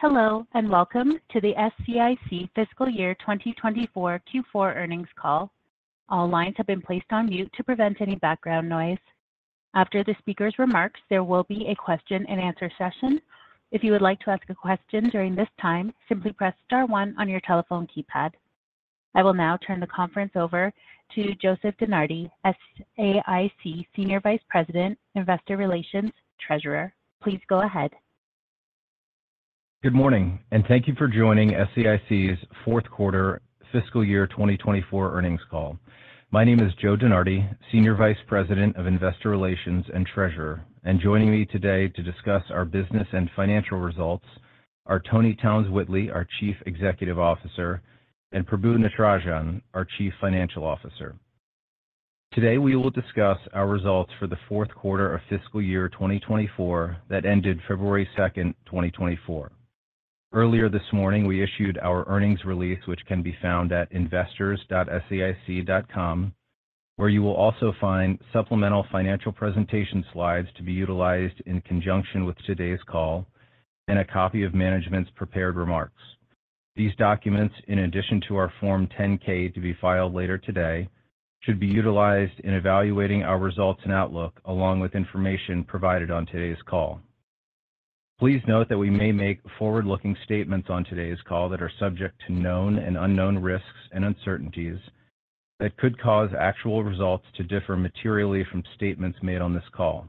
Hello, and welcome to the SAIC Fiscal Year 2024 Q4 earnings call. All lines have been placed on mute to prevent any background noise. After the speaker's remarks, there will be a question and answer session. If you would like to ask a question during this time, simply press star one on your telephone keypad. I will now turn the conference over to Joseph DeNardi, SAIC, Senior Vice President, Investor Relations, Treasurer. Please go ahead. Good morning, and thank you for joining SAIC's fourth quarter fiscal year 2024 earnings call. My name is Joe DeNardi, Senior Vice President of Investor Relations and Treasurer, and joining me today to discuss our business and financial results are Toni Townes-Whitley, our Chief Executive Officer, and Prabu Natarajan, our Chief Financial Officer. Today, we will discuss our results for the fourth quarter of fiscal year 2024 that ended February 2nd, 2024. Earlier this morning, we issued our earnings release, which can be found at investors.saic.com, where you will also find supplemental financial presentation slides to be utilized in conjunction with today's call and a copy of management's prepared remarks. These documents, in addition to our Form 10-K to be filed later today, should be utilized in evaluating our results and outlook, along with information provided on today's call. Please note that we may make forward-looking statements on today's call that are subject to known and unknown risks and uncertainties that could cause actual results to differ materially from statements made on this call.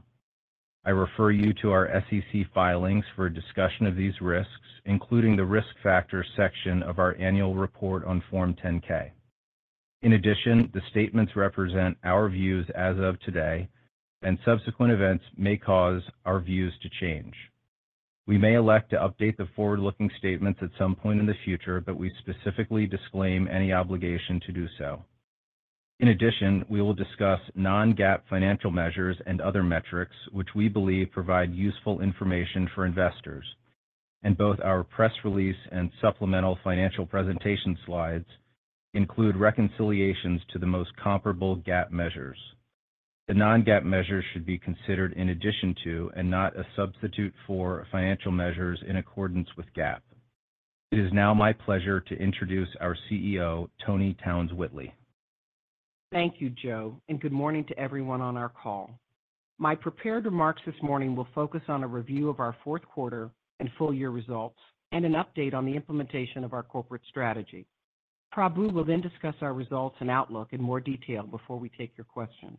I refer you to our SEC filings for a discussion of these risks, including the risk factors section of our annual report on Form 10-K. In addition, the statements represent our views as of today, and subsequent events may cause our views to change. We may elect to update the forward-looking statements at some point in the future, but we specifically disclaim any obligation to do so. In addition, we will discuss non-GAAP financial measures and other metrics which we believe provide useful information for investors. In both our press release and supplemental financial presentation slides include reconciliations to the most comparable GAAP measures. The non-GAAP measures should be considered in addition to, and not a substitute for, financial measures in accordance with GAAP. It is now my pleasure to introduce our CEO, Toni Townes-Whitley. Thank you, Joe, and good morning to everyone on our call. My prepared remarks this morning will focus on a review of our fourth quarter and full year results, and an update on the implementation of our corporate strategy. Prabu will then discuss our results and outlook in more detail before we take your questions.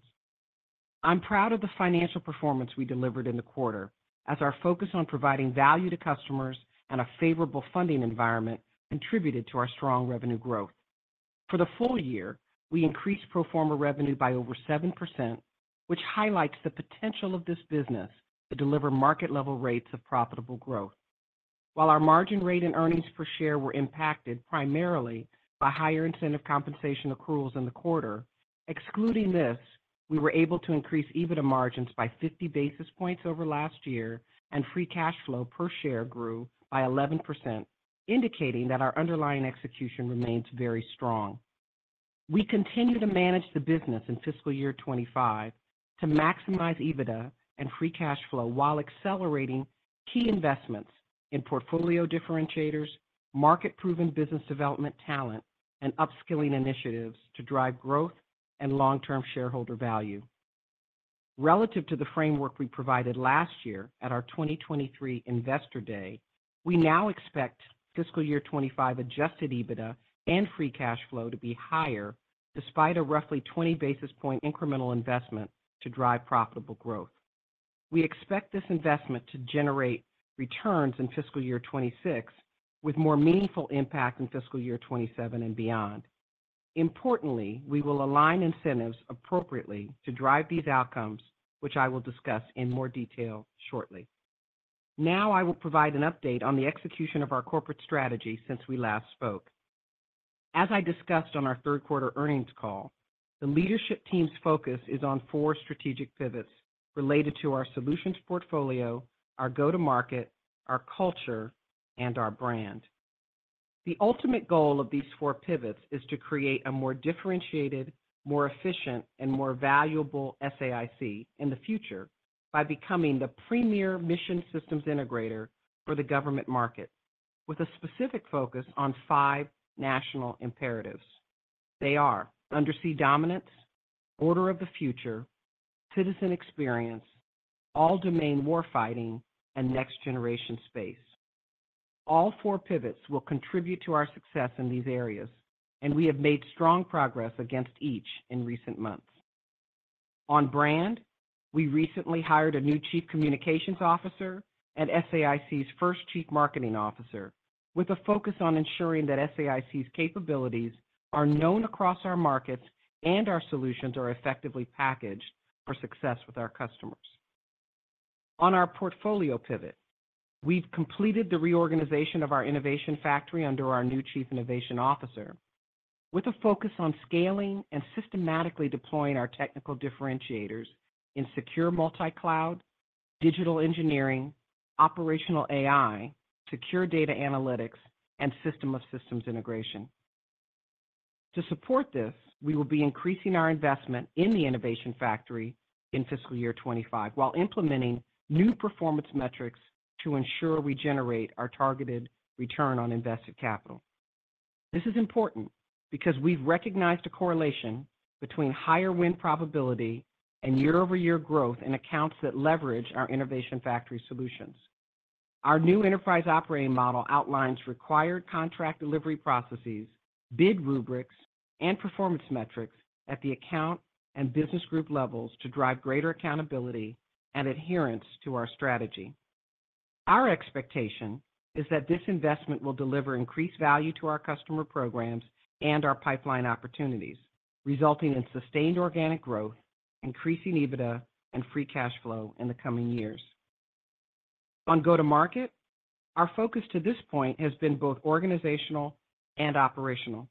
I'm proud of the financial performance we delivered in the quarter, as our focus on providing value to customers and a favorable funding environment contributed to our strong revenue growth. For the full year, we increased pro forma revenue by over 7%, which highlights the potential of this business to deliver market-level rates of profitable growth. While our margin rate and earnings per share were impacted primarily by higher incentive compensation accruals in the quarter, excluding this, we were able to increase EBITDA margins by 50 basis points over last year, and free cash flow per share grew by 11%, indicating that our underlying execution remains very strong. We continue to manage the business in fiscal year 2025 to maximize EBITDA and free cash flow while accelerating key investments in portfolio differentiators, market-proven business development talent, and upskilling initiatives to drive growth and long-term shareholder value. Relative to the framework we provided last year at our 2023 Investor Day, we now expect fiscal year 2025 adjusted EBITDA and free cash flow to be higher, despite a roughly 20 basis point incremental investment to drive profitable growth. We expect this investment to generate returns in fiscal year 2026, with more meaningful impact in fiscal year 2027 and beyond. Importantly, we will align incentives appropriately to drive these outcomes, which I will discuss in more detail shortly. Now, I will provide an update on the execution of our corporate strategy since we last spoke. As I discussed on our third quarter earnings call, the leadership team's focus is on four strategic pivots related to our solutions portfolio, our go-to-market, our culture, and our brand. The ultimate goal of these four pivots is to create a more differentiated, more efficient, and more valuable SAIC in the future by becoming the premier mission systems integrator for the government market, with a specific focus on five national imperatives. They are Undersea Dominance, Border of the Future, Citizen Experience, All-Domain Warfighting, and Next-Generation Space. All four pivots will contribute to our success in these areas, and we have made strong progress against each in recent months. On brand, we recently hired a new chief communications officer and SAIC's first chief marketing officer, with a focus on ensuring that SAIC's capabilities are known across our markets and our solutions are effectively packaged for success with our customers. On our portfolio pivot, we've completed the reorganization of our Innovation Factory under our new chief innovation officer, with a focus on scaling and systematically deploying our technical differentiators in Secure Multi-Cloud, Digital Engineering, Operational AI, Secure Data Analytics, and System of Systems integration.... To support this, we will be increasing our investment in the Innovation Factory in fiscal year 2025, while implementing new performance metrics to ensure we generate our targeted return on invested capital. This is important because we've recognized a correlation between higher win probability and year-over-year growth in accounts that leverage our Innovation Factory solutions. Our new enterprise operating model outlines required contract delivery processes, bid rubrics, and performance metrics at the account and business group levels to drive greater accountability and adherence to our strategy. Our expectation is that this investment will deliver increased value to our customer programs and our pipeline opportunities, resulting in sustained organic growth, increasing EBITDA, and Free Cash Flow in the coming years. On go-to-market, our focus to this point has been both organizational and operational.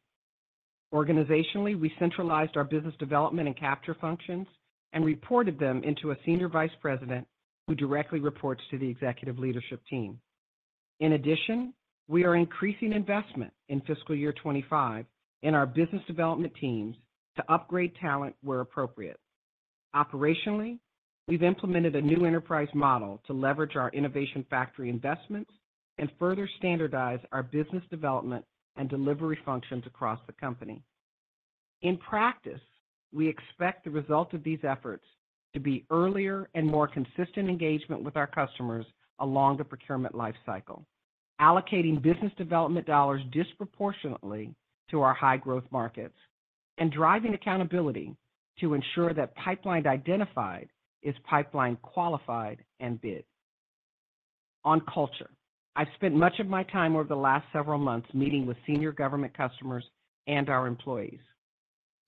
Organizationally, we centralized our business development and capture functions and reported them into a senior vice president, who directly reports to the executive leadership team. In addition, we are increasing investment in fiscal year 2025 in our business development teams to upgrade talent where appropriate. Operationally, we've implemented a new enterprise model to leverage our Innovation Factory investments and further standardize our business development and delivery functions across the company. In practice, we expect the result of these efforts to be earlier and more consistent engagement with our customers along the procurement life cycle, allocating business development dollars disproportionately to our high-growth markets, and driving accountability to ensure that pipeline identified is pipeline qualified and bid. On culture, I've spent much of my time over the last several months meeting with senior government customers and our employees.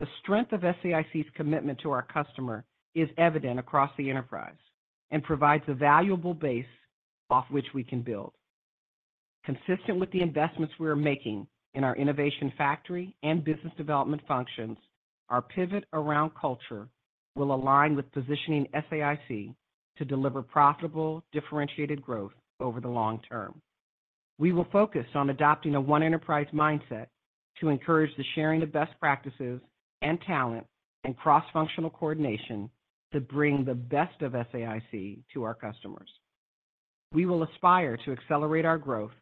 The strength of SAIC's commitment to our customer is evident across the enterprise and provides a valuable base off which we can build. Consistent with the investments we are making in our Innovation Factory and business development functions, our pivot around culture will align with positioning SAIC to deliver profitable, differentiated growth over the long term. We will focus on adopting a one enterprise mindset to encourage the sharing of best practices and talent and cross-functional coordination to bring the best of SAIC to our customers. We will aspire to accelerate our growth,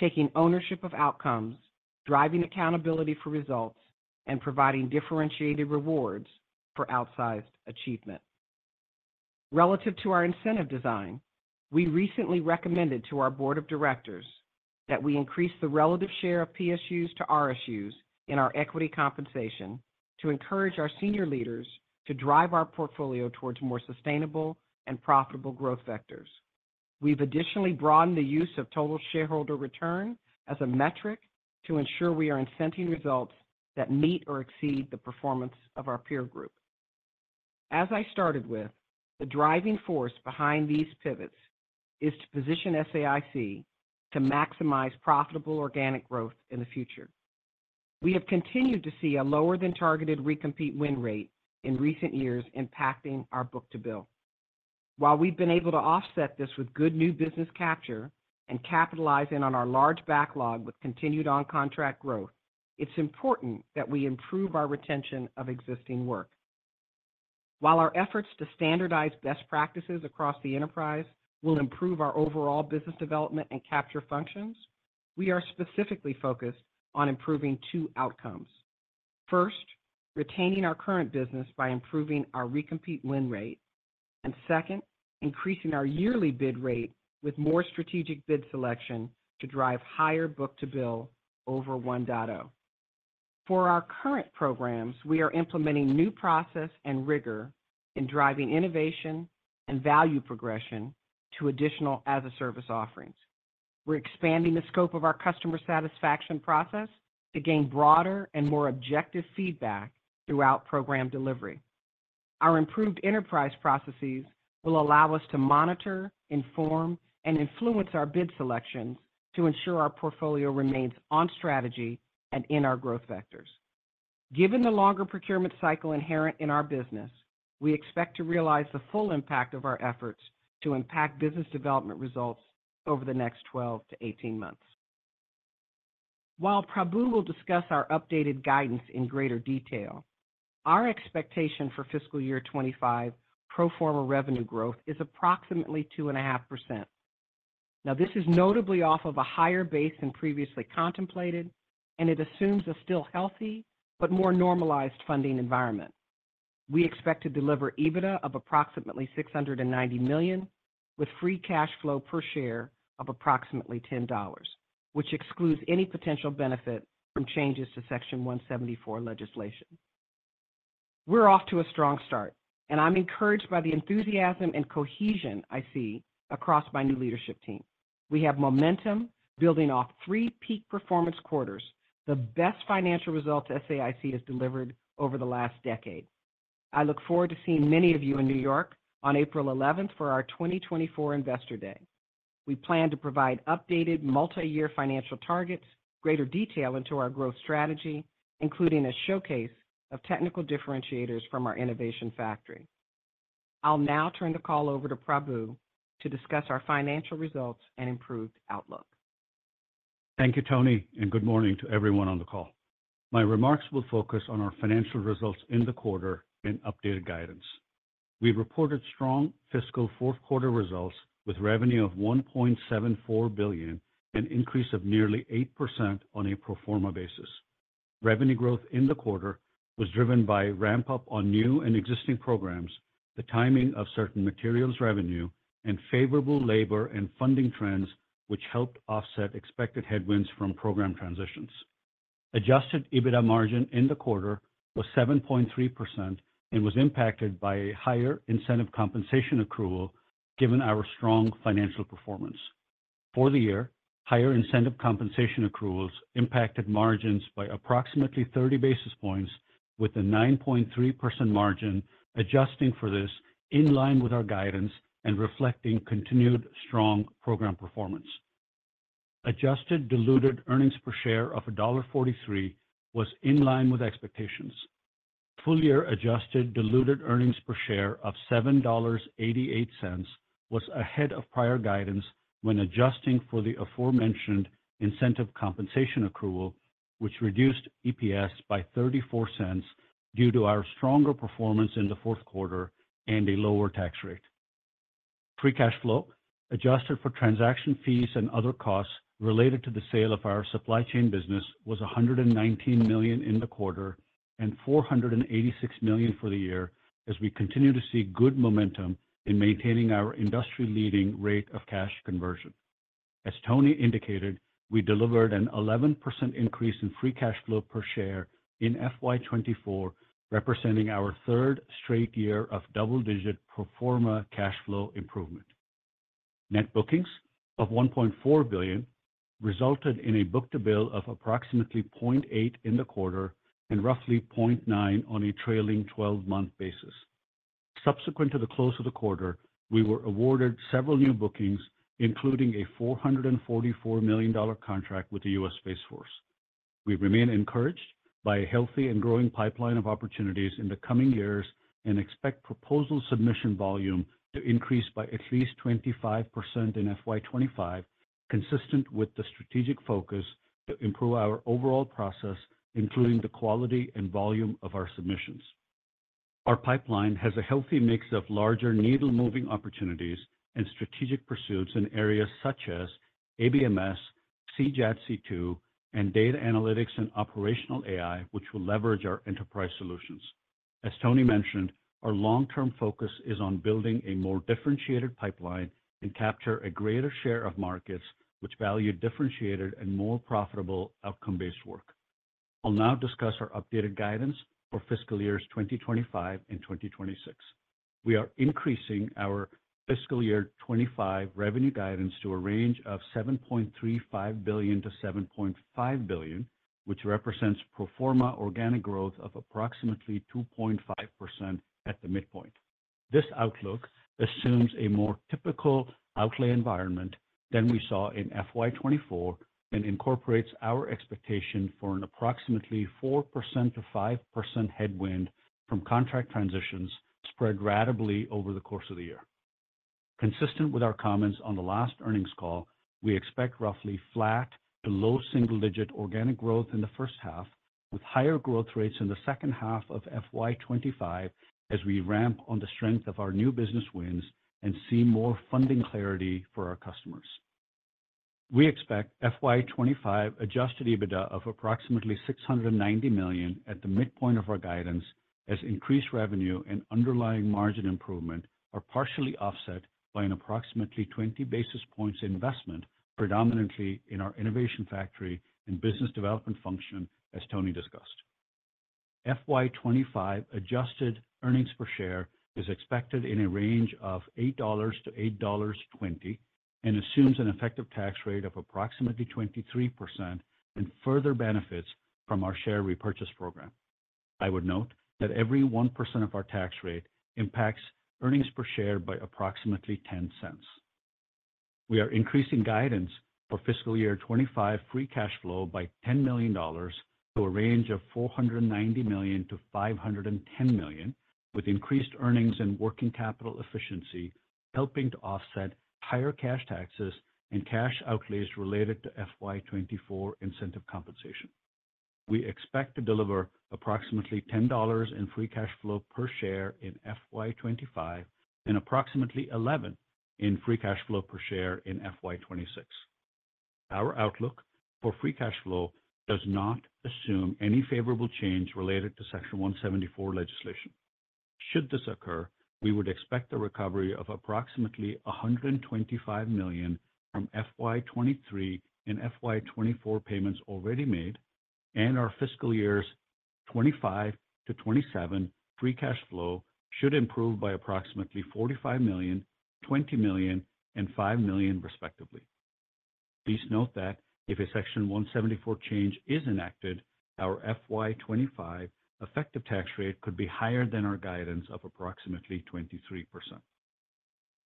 taking ownership of outcomes, driving accountability for results, and providing differentiated rewards for outsized achievement. Relative to our incentive design, we recently recommended to our board of directors that we increase the relative share of PSUs to RSUs in our equity compensation to encourage our senior leaders to drive our portfolio towards more sustainable and profitable growth vectors. We've additionally broadened the use of total shareholder return as a metric to ensure we are incenting results that meet or exceed the performance of our peer group. As I started with, the driving force behind these pivots is to position SAIC to maximize profitable organic growth in the future. We have continued to see a lower-than-targeted recompete win rate in recent years, impacting our book-to-bill. While we've been able to offset this with good new business capture and capitalizing on our large backlog with continued on-contract growth, it's important that we improve our retention of existing work. While our efforts to standardize best practices across the enterprise will improve our overall business development and capture functions, we are specifically focused on improving two outcomes. First, retaining our current business by improving our recompete win rate, and second, increasing our yearly bid rate with more strategic bid selection to drive higher book-to-bill over 1.0. For our current programs, we are implementing new process and rigor in driving innovation and value progression to additional as-a-service offerings. We're expanding the scope of our customer satisfaction process to gain broader and more objective feedback throughout program delivery. Our improved enterprise processes will allow us to monitor, inform, and influence our bid selections to ensure our portfolio remains on strategy and in our growth vectors. Given the longer procurement cycle inherent in our business, we expect to realize the full impact of our efforts to impact business development results over the next 12 to 18 months. While Prabu will discuss our updated guidance in greater detail, our expectation for fiscal year 2025 pro forma revenue growth is approximately 2.5%. Now, this is notably off of a higher base than previously contemplated, and it assumes a still healthy but more normalized funding environment. We expect to deliver EBITDA of approximately $690 million, with free cash flow per share of approximately $10, which excludes any potential benefit from changes to Section 174 legislation. We're off to a strong start, and I'm encouraged by the enthusiasm and cohesion I see across my new leadership team. We have momentum building off three peak performance quarters, the best financial results SAIC has delivered over the last decade. I look forward to seeing many of you in New York on April eleventh for our 2024 Investor Day. We plan to provide updated multiyear financial targets, greater detail into our growth strategy, including a showcase of technical differentiators from our Innovation Factory.... I'll now turn the call over to Prabu to discuss our financial results and improved outlook. Thank you, Toni, and good morning to everyone on the call. My remarks will focus on our financial results in the quarter and updated guidance. We reported strong fiscal fourth quarter results with revenue of $1.74 billion, an increase of nearly 8% on a pro forma basis. Revenue growth in the quarter was driven by ramp-up on new and existing programs, the timing of certain materials revenue, and favorable labor and funding trends, which helped offset expected headwinds from program transitions. Adjusted EBITDA margin in the quarter was 7.3% and was impacted by a higher incentive compensation accrual, given our strong financial performance. For the year, higher incentive compensation accruals impacted margins by approximately 30 basis points, with a 9.3% margin adjusting for this, in line with our guidance and reflecting continued strong program performance. Adjusted diluted earnings per share of $1.43 was in line with expectations. Full year adjusted diluted earnings per share of $7.88 was ahead of prior guidance when adjusting for the aforementioned incentive compensation accrual, which reduced EPS by $0.34 due to our stronger performance in the fourth quarter and a lower tax rate. Free cash flow, adjusted for transaction fees and other costs related to the sale of our supply chain business, was $119 million in the quarter and $486 million for the year, as we continue to see good momentum in maintaining our industry-leading rate of cash conversion. As Toni indicated, we delivered an 11% increase in free cash flow per share in FY 2024, representing our third straight year of double-digit pro forma cash flow improvement. Net bookings of $1.4 billion resulted in a book-to-bill of approximately 0.8 in the quarter and roughly 0.9 on a trailing twelve-month basis. Subsequent to the close of the quarter, we were awarded several new bookings, including a $444 million contract with the U.S. Space Force. We remain encouraged by a healthy and growing pipeline of opportunities in the coming years and expect proposal submission volume to increase by at least 25% in FY 2025, consistent with the strategic focus to improve our overall process, including the quality and volume of our submissions. Our pipeline has a healthy mix of larger, needle-moving opportunities and strategic pursuits in areas such as ABMS, CJADC2, and data analytics and operational AI, which will leverage our enterprise solutions. As Toni mentioned, our long-term focus is on building a more differentiated pipeline and capture a greater share of markets which value differentiated and more profitable outcome-based work. I'll now discuss our updated guidance for fiscal years 2025 and 2026. We are increasing our fiscal year 2025 revenue guidance to a range of $7.35 billion-$7.5 billion, which represents pro forma organic growth of approximately 2.5% at the midpoint. This outlook assumes a more typical outlay environment than we saw in FY 2024 and incorporates our expectation for an approximately 4% to 5% headwind from contract transitions spread ratably over the course of the year. Consistent with our comments on the last earnings call, we expect roughly flat to low single-digit organic growth in the first half, with higher growth rates in the second half of FY 2025 as we ramp on the strength of our new business wins and see more funding clarity for our customers. We expect FY 2025 Adjusted EBITDA of approximately $690 million at the midpoint of our guidance, as increased revenue and underlying margin improvement are partially offset by an approximately 20 basis points investment, predominantly in our Innovation Factory and business development function, as Toni discussed. FY 2025 adjusted earnings per share is expected in a range of $8-$8.20 and assumes an effective tax rate of approximately 23% and further benefits from our share repurchase program. I would note that every 1% of our tax rate impacts earnings per share by approximately $0.10. We are increasing guidance for fiscal year 2025 free cash flow by $10 million to a range of $490 million-$510 million, with increased earnings and working capital efficiency helping to offset higher cash taxes and cash outlays related to FY 2024 incentive compensation. We expect to deliver approximately $10 in free cash flow per share in FY 2025 and approximately $11 in free cash flow per share in FY 2026. Our outlook for free cash flow does not assume any favorable change related to Section 174 legislation. Should this occur, we would expect a recovery of approximately $125 million from FY 2023 and FY 2024 payments already made, and our fiscal years 2025 to 2027 free cash flow should improve by approximately $45 million, $20 million, and $5 million, respectively. Please note that if a Section 174 change is enacted, our FY 2025 effective tax rate could be higher than our guidance of approximately 23%....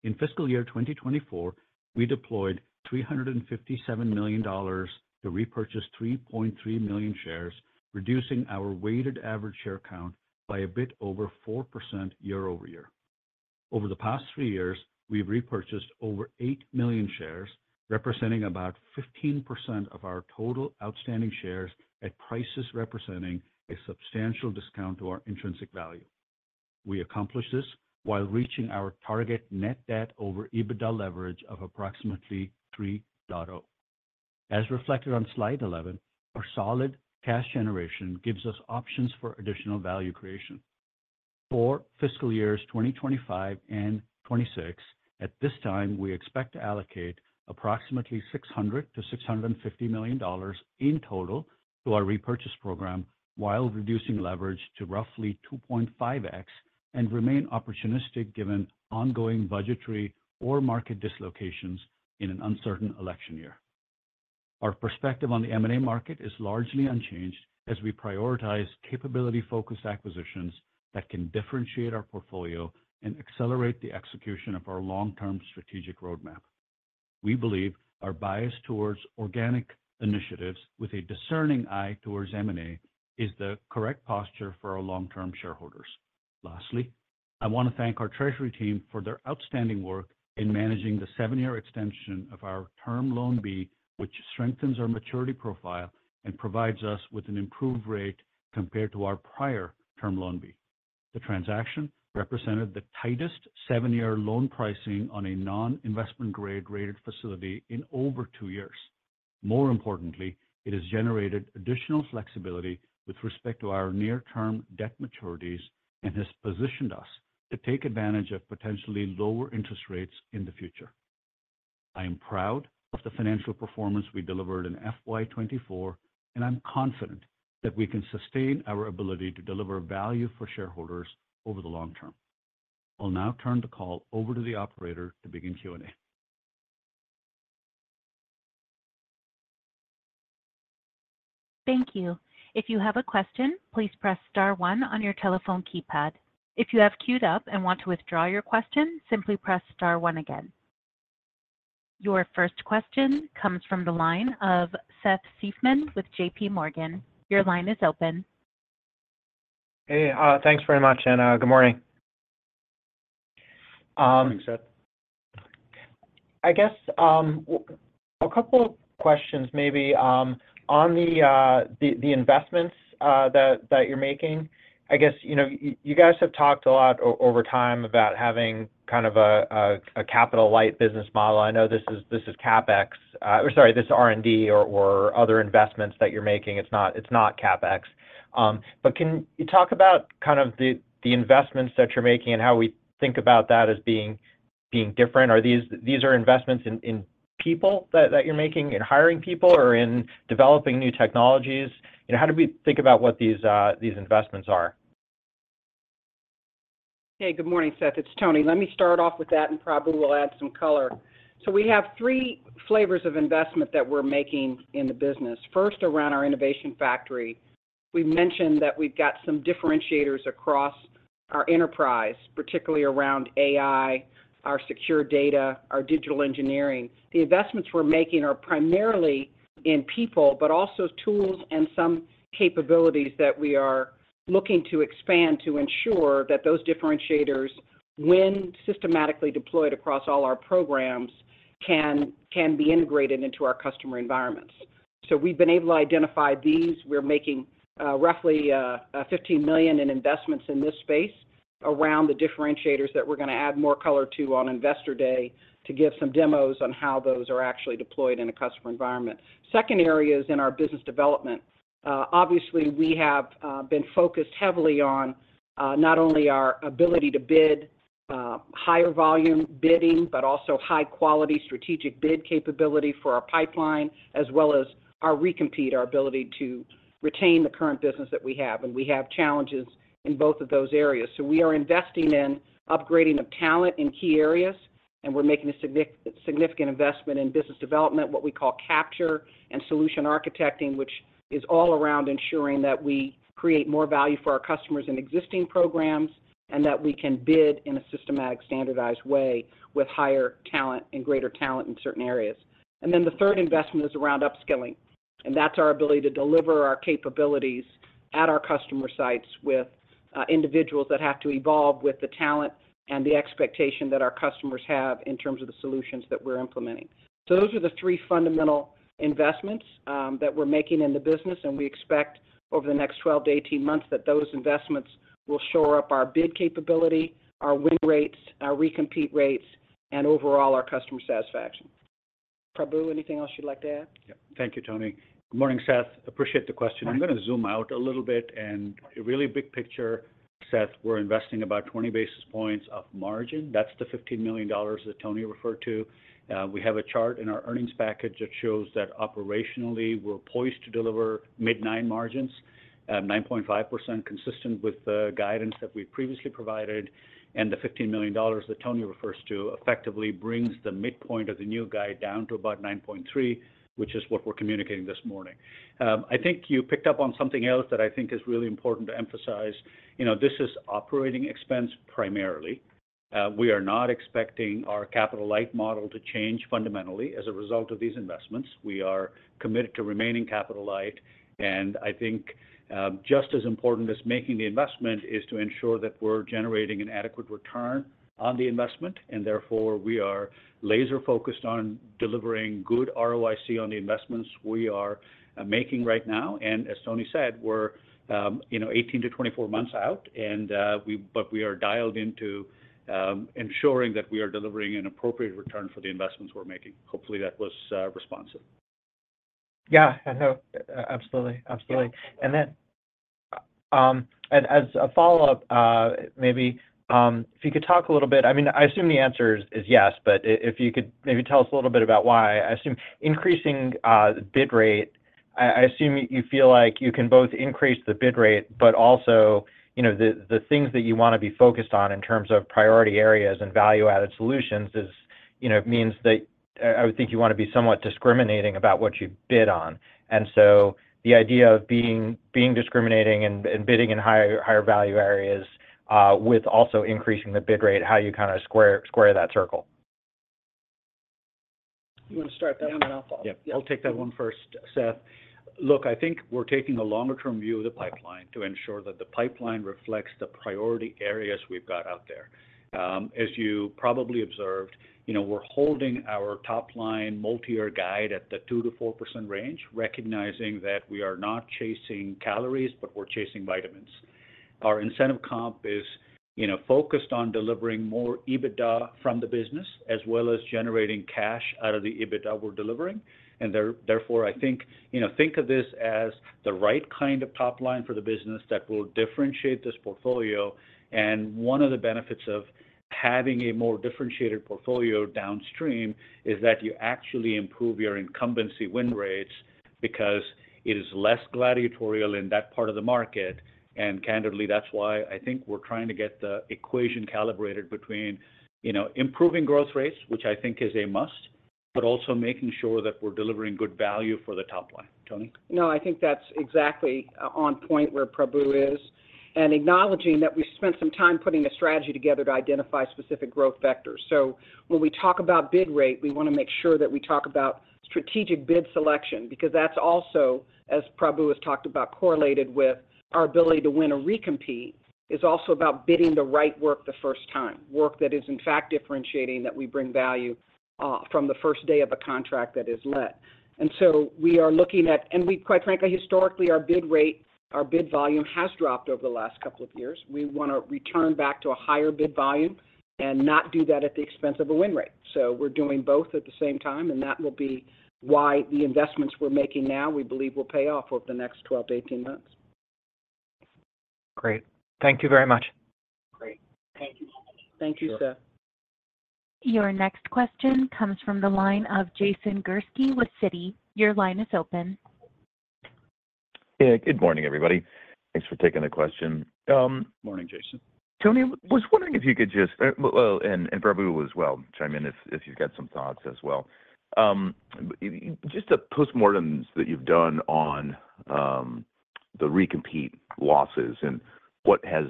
In fiscal year 2024, we deployed $357 million to repurchase 3.3 million shares, reducing our weighted average share count by a bit over 4% year-over-year. Over the past three years, we've repurchased over 8 million shares, representing about 15% of our total outstanding shares at prices representing a substantial discount to our intrinsic value. We accomplished this while reaching our target net debt over EBITDA leverage of approximately 3.0. As reflected on Slide 11, our solid cash generation gives us options for additional value creation. For fiscal years 2025 and 2026, at this time, we expect to allocate approximately $600 million to $650 million in total to our repurchase program, while reducing leverage to roughly 2.5x, and remain opportunistic given ongoing budgetary or market dislocations in an uncertain election year. Our perspective on the M&A market is largely unchanged as we prioritize capability-focused acquisitions that can differentiate our portfolio and accelerate the execution of our long-term strategic roadmap. We believe our bias towards organic initiatives with a discerning eye towards M&A is the correct posture for our long-term shareholders. Lastly, I want to thank our treasury team for their outstanding work in managing the seven-year extension of our Term Loan B, which strengthens our maturity profile and provides us with an improved rate compared to our prior Term Loan B. The transaction represented the tightest seven-year loan pricing on a non-investment grade rated facility in over two years. More importantly, it has generated additional flexibility with respect to our near-term debt maturities and has positioned us to take advantage of potentially lower interest rates in the future. I am proud of the financial performance we delivered in FY 2024, and I'm confident that we can sustain our ability to deliver value for shareholders over the long term. I'll now turn the call over to the operator to begin Q&A. Thank you. If you have a question, please press star one on your telephone keypad. If you have queued up and want to withdraw your question, simply press star one again. Your first question comes from the line of Seth Seifman with J.P. Morgan. Your line is open. Hey, thanks very much, and, good morning. Thanks, Seth. I guess, a couple of questions maybe, on the investments that you're making. I guess, you know, you guys have talked a lot over time about having kind of a capital light business model. I know this is CapEx, or sorry, this R&D or other investments that you're making. It's not CapEx. But can you talk about kind of the investments that you're making and how we think about that as being different? Are these investments in people that you're making, in hiring people or in developing new technologies? You know, how do we think about what these investments are? Hey, good morning, Seth. It's Toni. Let me start off with that, and Prabu will add some color. So we have three flavors of investment that we're making in the business. First, around our Innovation Factory. We've mentioned that we've got some differentiators across our enterprise, particularly around AI, our secure data, our digital engineering. The investments we're making are primarily in people, but also tools and some capabilities that we are looking to expand to ensure that those differentiators, when systematically deployed across all our programs, can be integrated into our customer environments. So we've been able to identify these. We're making roughly $15 million in investments in this space around the differentiators that we're going to add more color to on Investor Day to give some demos on how those are actually deployed in a customer environment. Second area is in our business development. Obviously, we have been focused heavily on not only our ability to bid higher volume bidding, but also high-quality strategic bid capability for our pipeline, as well as our recompete, our ability to retain the current business that we have. We have challenges in both of those areas. We are investing in upgrading of talent in key areas, and we're making a significant investment in business development, what we call capture and solution architecting, which is all around ensuring that we create more value for our customers in existing programs, and that we can bid in a systematic, standardized way with higher talent and greater talent in certain areas. And then the third investment is around upskilling, and that's our ability to deliver our capabilities at our customer sites with individuals that have to evolve with the talent and the expectation that our customers have in terms of the solutions that we're implementing. So those are the three fundamental investments that we're making in the business, and we expect over the next 12 to 18 months that those investments will shore up our bid capability, our win rates, our recompete rates, and overall, our customer satisfaction. Prabu, anything else you'd like to add? Yeah. Thank you, Toni. Good morning, Seth. Appreciate the question. Thanks. I'm going to zoom out a little bit, and really big picture, Seth, we're investing about 20 basis points of margin. That's the $15 million that Toni referred to. We have a chart in our earnings package that shows that operationally, we're poised to deliver mid-nine margins at 9.5%, consistent with the guidance that we've previously provided, and the $15 million that Toni refers to effectively brings the midpoint of the new guide down to about 9.3, which is what we're communicating this morning. I think you picked up on something else that I think is really important to emphasize. You know, this is operating expense primarily. We are not expecting our capital light model to change fundamentally as a result of these investments. We are committed to remaining capital light, and I think, just as important as making the investment is to ensure that we're generating an adequate return on the investment, and therefore, we are laser-focused on delivering good ROIC on the investments we are making right now. And as Toni said, we're, you know, 18 to 24 months out, and we are dialed into ensuring that we are delivering an appropriate return for the investments we're making. Hopefully, that was responsive. Yeah, I know. Absolutely, absolutely. Yeah. And then, and as a follow-up, maybe, if you could talk a little bit... I mean, I assume the answer is yes, but if you could maybe tell us a little bit about why. I assume increasing bid rate, I assume you feel like you can both increase the bid rate, but also, you know, the things that you wanna be focused on in terms of priority areas and value-added solutions is, you know, means that I would think you wanna be somewhat discriminating about what you bid on. And so the idea of being discriminating and bidding in higher value areas, with also increasing the bid rate, how you kind of square that circle? You wanna start that one? I'll follow. Yeah. I'll take that one first, Seth. Look, I think we're taking a longer-term view of the pipeline to ensure that the pipeline reflects the priority areas we've got out there. As you probably observed, you know, we're holding our top-line multi-year guide at the 2%-4% range, recognizing that we are not chasing calories, but we're chasing vitamins. Our incentive comp is, you know, focused on delivering more EBITDA from the business, as well as generating cash out of the EBITDA we're delivering. Therefore, I think, you know, think of this as the right kind of top line for the business that will differentiate this portfolio. One of the benefits of having a more differentiated portfolio downstream is that you actually improve your incumbency win rates because it is less gladiatorial in that part of the market. Candidly, that's why I think we're trying to get the equation calibrated between, you know, improving growth rates, which I think is a must, but also making sure that we're delivering good value for the top line. Toni? No, I think that's exactly on point where Prabu is, and acknowledging that we spent some time putting a strategy together to identify specific growth vectors. So when we talk about bid rate, we wanna make sure that we talk about strategic bid selection, because that's also, as Prabu has talked about, correlated with our ability to win and recompete, is also about bidding the right work the first time, work that is, in fact, differentiating, that we bring value from the first day of a contract that is let. And so we are looking at... And we, quite frankly, historically, our bid rate, our bid volume has dropped over the last couple of years. We wanna return back to a higher bid volume and not do that at the expense of a win rate. We're doing both at the same time, and that will be why the investments we're making now, we believe, will pay off over the next 12 to 18 months. Great. Thank you very much. Great. Thank you. Thank you, Seth. Your next question comes from the line of Jason Gursky with Citi. Your line is open. Yeah, good morning, everybody. Thanks for taking the question. Morning, Jason. Toni, was wondering if you could just, well, and Prabu as well, chime in if you've got some thoughts as well. Just the postmortems that you've done on the recompete losses and what has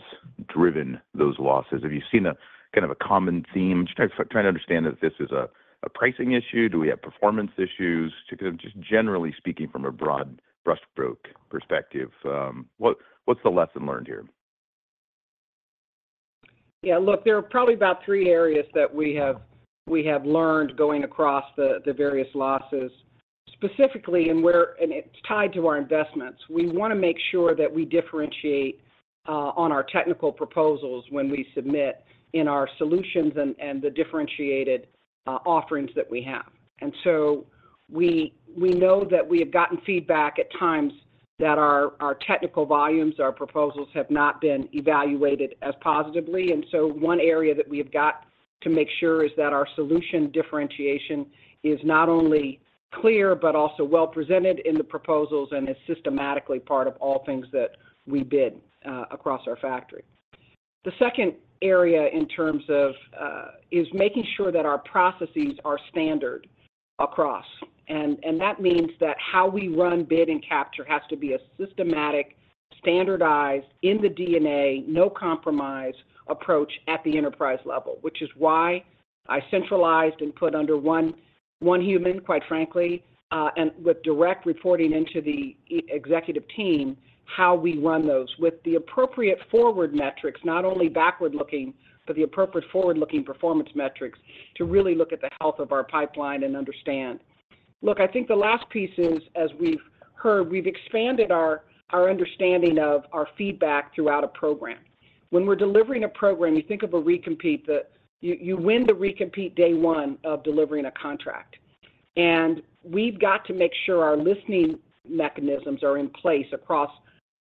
driven those losses. Have you seen a kind of a common theme? Just trying to understand if this is a pricing issue. Do we have performance issues? To kind of just generally speaking from a broad brushstroke perspective, what's the lesson learned here? Yeah, look, there are probably about three areas that we have learned going across the various losses. Specifically, where it's tied to our investments, we wanna make sure that we differentiate on our technical proposals when we submit in our solutions and the differentiated offerings that we have. And so we know that we have gotten feedback at times that our technical volumes, our proposals have not been evaluated as positively. And so one area that we've got to make sure is that our solution differentiation is not only clear, but also well presented in the proposals and is systematically part of all things that we bid across our factory. The second area in terms of is making sure that our processes are standard across. And that means that how we run bid and capture has to be a systematic, standardized, in the DNA, no-compromise approach at the enterprise level, which is why I centralized and put under one human, quite frankly, and with direct reporting into the executive team, how we run those with the appropriate forward metrics, not only backward-looking, but the appropriate forward-looking performance metrics to really look at the health of our pipeline and understand. Look, I think the last piece is, as we've heard, we've expanded our understanding of our feedback throughout a program. When we're delivering a program, you think of a recompete, you win the recompete day one of delivering a contract. And we've got to make sure our listening mechanisms are in place across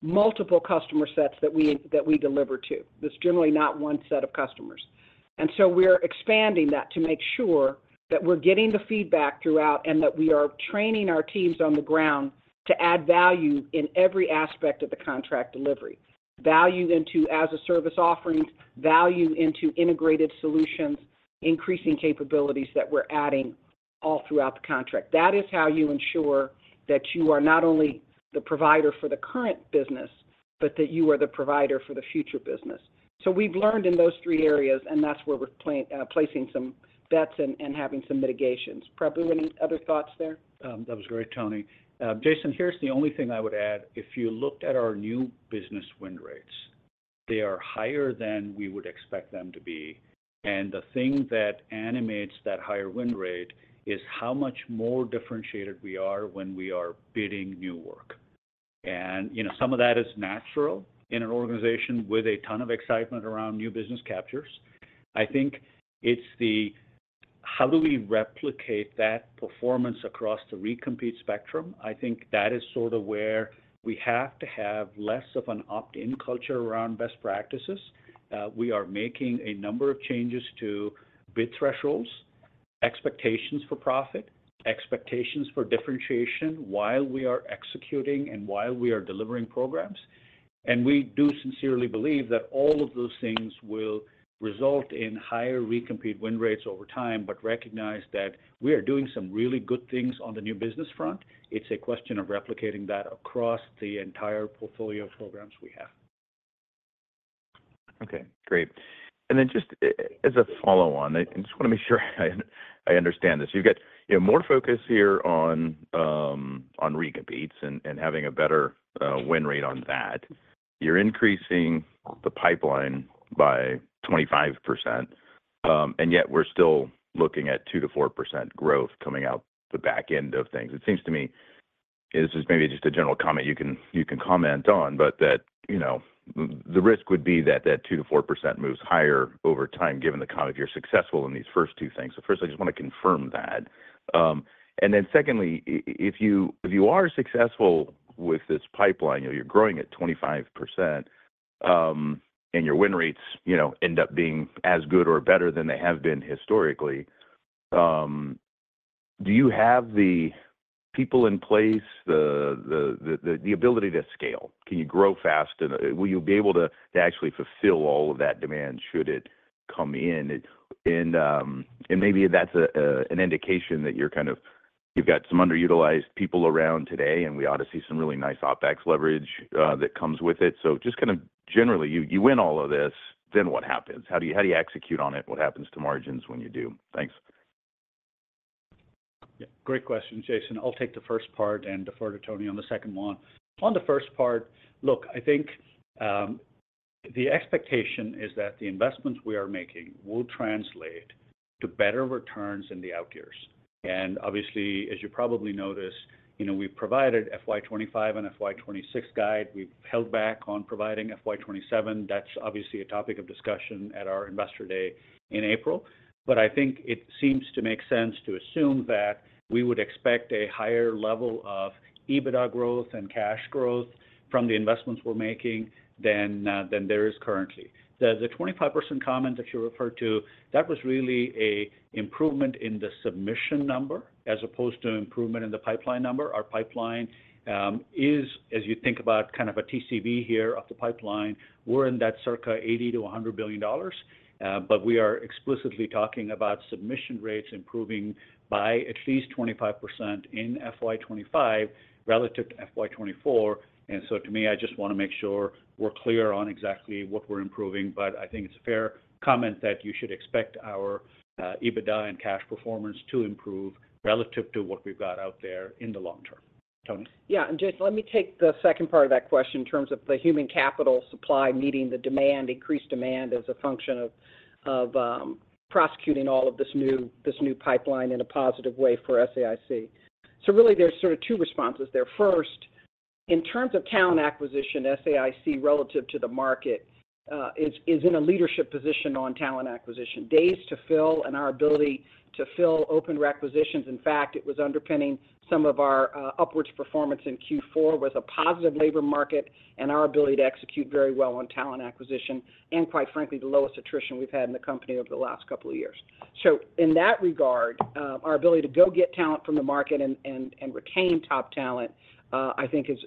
multiple customer sets that we deliver to. There's generally not one set of customers. And so we're expanding that to make sure that we're getting the feedback throughout and that we are training our teams on the ground to add value in every aspect of the contract delivery. Value into as a service offerings, value into integrated solutions, increasing capabilities that we're adding all throughout the contract. That is how you ensure that you are not only the provider for the current business, but that you are the provider for the future business. So we've learned in those three areas, and that's where we're placing some bets and having some mitigations. Prabu, any other thoughts there? That was great, Toni. Jason, here's the only thing I would add. If you looked at our new business win rates, they are higher than we would expect them to be, and the thing that animates that higher win rate is how much more differentiated we are when we are bidding new work. And, you know, some of that is natural in an organization with a ton of excitement around new business captures. I think it's the how do we replicate that performance across the recompete spectrum? I think that is sort of where we have to have less of an opt-in culture around best practices. We are making a number of changes to bid thresholds, expectations for profit, expectations for differentiation while we are executing and while we are delivering programs. We do sincerely believe that all of those things will result in higher recompete win rates over time, but recognize that we are doing some really good things on the new business front. It's a question of replicating that across the entire portfolio of programs we have. Okay, great. And then just as a follow-on, I just wanna make sure I understand this. You've got, you know, more focus here on recompetes and having a better win rate on that. You're increasing the pipeline by 25%, and yet we're still looking at 2% to 4% growth coming out the back end of things. It seems to me, this is maybe just a general comment you can comment on, but that, you know, the risk would be that that 2% to 4% moves higher over time, given the comment you're successful in these first two things. So first, I just wanna confirm that. And then secondly, if you, if you are successful with this pipeline, you know, you're growing at 25%, and your win rates, you know, end up being as good or better than they have been historically, do you have the people in place, the ability to scale? Can you grow fast, and will you be able to actually fulfill all of that demand, should it come in? And and maybe that's an indication that you're kind of, you've got some underutilized people around today, and we ought to see some really nice OpEx leverage that comes with it. So just kind of generally, you win all of this, then what happens? How do you execute on it? What happens to margins when you do? Thanks. Yeah, great question, Jason. I'll take the first part and defer to Toni on the second one. On the first part, look, I think, the expectation is that the investments we are making will translate to better returns in the out years. And obviously, as you probably noticed, you know, we've provided FY 2025 and FY 2026 guide. We've held back on providing FY 2027. That's obviously a topic of discussion at our Investor Day in April. But I think it seems to make sense to assume that we would expect a higher level of EBITDA growth and cash growth from the investments we're making than than there is currently. The, the 25% comment that you referred to, that was really a improvement in the submission number as opposed to improvement in the pipeline number. Our pipeline is, as you think about kind of a TCV here of the pipeline, we're in that circa $80 billion to $100 billion, but we are explicitly talking about submission rates improving by at least 25% in FY 2025 relative to FY 2024. And so to me, I just wanna make sure we're clear on exactly what we're improving, but I think it's a fair comment that you should expect our EBITDA and cash performance to improve relative to what we've got out there in the long term. Toni? Yeah, and Jason, let me take the second part of that question in terms of the human capital supply meeting the demand, increased demand as a function of, of, prosecuting all of this new, this new pipeline in a positive way for SAIC. So really, there's sort of two responses there. First, in terms of talent acquisition, SAIC, relative to the market, is in a leadership position on talent acquisition. Days to fill and our ability to fill open requisitions, in fact, it was underpinning some of our upwards performance in Q4 with a positive labor market and our ability to execute very well on talent acquisition, and quite frankly, the lowest attrition we've had in the company over the last couple of years. So in that regard, our ability to go get talent from the market and retain top talent, I think is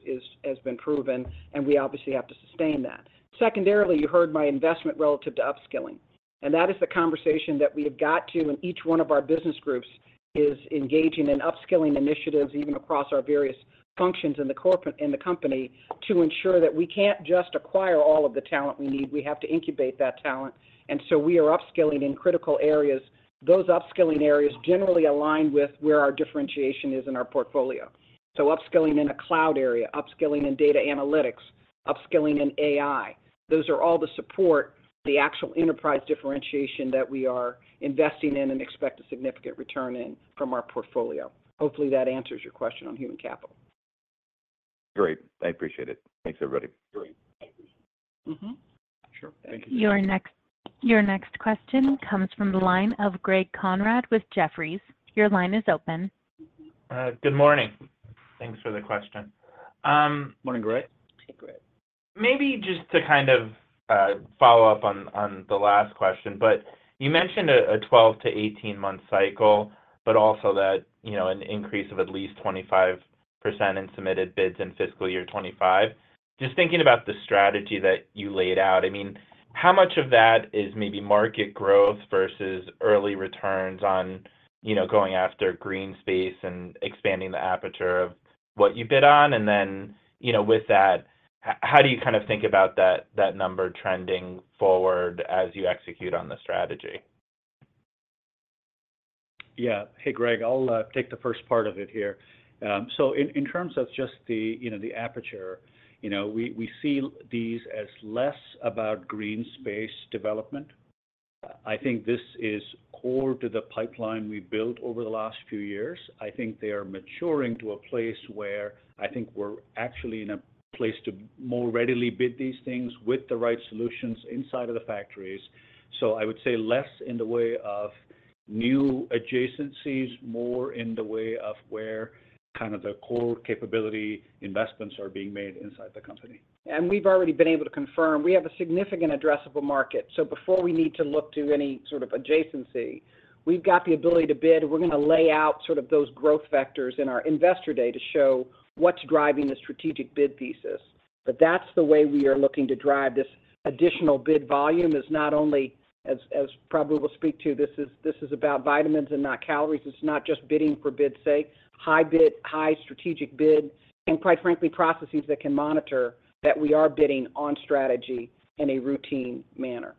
has been proven, and we obviously have to sustain that. Secondarily, you heard my investment relative to upskilling, and that is the conversation that we have got to, and each one of our business groups is engaging in upskilling initiatives, even across our various functions in the company, to ensure that we can't just acquire all of the talent we need. We have to incubate that talent, and so we are upskilling in critical areas. Those upskilling areas generally align with where our differentiation is in our portfolio. So upskilling in a cloud area, upskilling in data analytics, upskilling in AI. Those are all the support, the actual enterprise differentiation that we are investing in and expect a significant return in from our portfolio. Hopefully, that answers your question on human capital. Great. I appreciate it. Thanks, everybody. Great. Mm-hmm. Sure. Thank you. Your next question comes from the line of Gregory Conrad with Jefferies. Your line is open. Good morning. Thanks for the question. Morning, Greg.... Maybe just to kind of follow up on the last question, but you mentioned a 12 to 18-month cycle, but also that, you know, an increase of at least 25% in submitted bids in fiscal year 2025. Just thinking about the strategy that you laid out, I mean, how much of that is maybe market growth versus early returns on, you know, going after green space and expanding the aperture of what you bid on? And then, you know, with that, how do you kind of think about that number trending forward as you execute on the strategy? Yeah. Hey, Greg, I'll take the first part of it here. So in, in terms of just the, you know, the aperture, you know, we see these as less about green space development. I think this is core to the pipeline we've built over the last few years. I think they are maturing to a place where I think we're actually in a place to more readily bid these things with the right solutions inside of the factories. So I would say less in the way of new adjacencies, more in the way of where kind of the core capability investments are being made inside the company. We've already been able to confirm we have a significant addressable market. Before we need to look to any sort of adjacency, we've got the ability to bid, and we're gonna lay out sort of those growth vectors in our Investor Day to show what's driving the strategic bid thesis. That's the way we are looking to drive this additional bid volume, is not only as, as Prabu will speak to, this is, this is about vitamins and not calories. It's not just bidding for bid's sake. High bid, high strategic bid, and quite frankly, processes that can monitor that we are bidding on strategy in a routine manner.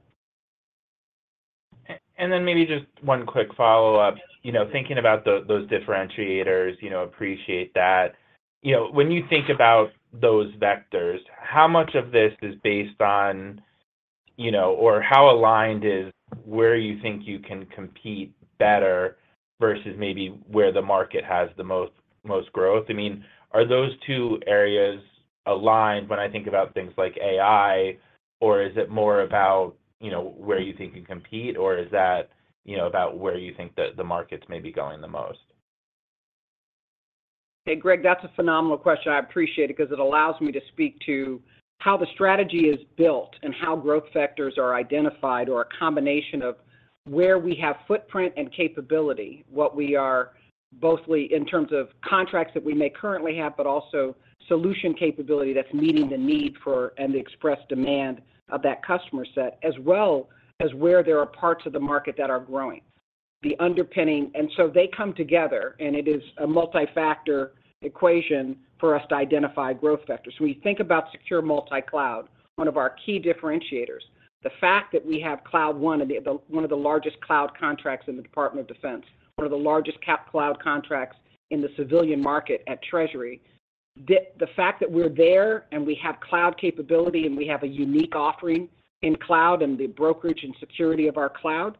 And then maybe just one quick follow-up. You know, thinking about those differentiators, you know, appreciate that. You know, when you think about those vectors, how much of this is based on, you know, or how aligned is where you think you can compete better versus maybe where the market has the most, most growth? I mean, are those two areas aligned when I think about things like AI, or is it more about, you know, where you think you compete, or is that, you know, about where you think the, the markets may be going the most? Hey, Greg, that's a phenomenal question. I appreciate it 'cause it allows me to speak to how the strategy is built and how growth vectors are identified, or a combination of where we have footprint and capability, what we are mostly in terms of contracts that we may currently have, but also solution capability that's meeting the need for and the express demand of that customer set, as well as where there are parts of the market that are growing. The underpinning, and so they come together, and it is a multi-factor equation for us to identify growth vectors. When we think about Secure Multi-Cloud, one of our key differentiators, the fact that we have Cloud One, one of the largest cloud contracts in the Department of Defense, one of the largest CAP cloud contracts in the civilian market at Treasury. The fact that we're there, and we have cloud capability, and we have a unique offering in cloud, and the brokerage and security of our cloud,